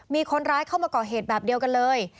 มีคนร้ายเข้ามาก่อเหตุแบบเดียวกันเลย